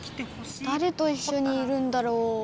だれといっしょにいるんだろう？